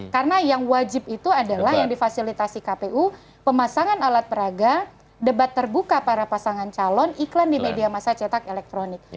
karena yang wajib itu adalah yang difasilitasi kpu pemasangan alat peraga debat terbuka para pasangan calon iklan di media masyarakat cetak elektronik